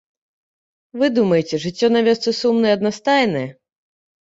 Вы думаеце, жыццё на вёсцы сумнае і аднастайнае?